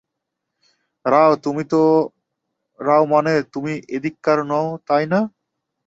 রাও মানে তো তুমি এদিককার নও, তাই না?